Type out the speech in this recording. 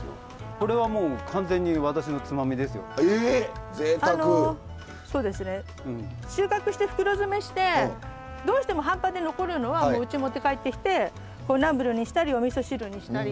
そうですね。収穫して袋詰めしてどうしても半端で残るのはうち持って帰ってきてナムルにしたりおみそ汁にしたり。